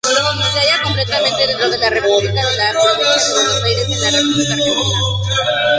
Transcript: Se halla completamente dentro de la Provincia de Buenos Aires en la República Argentina.